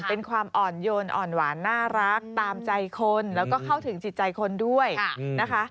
เป็นความอ่อนโยนอ่อนหวานน่ารักตามใจคนแล้วก็เข้าถึงจิตใจคนด้วยนะคะ